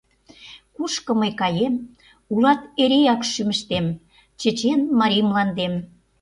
Кушко мые каем, улат эреак шӱмыштем, чечен марий мландем.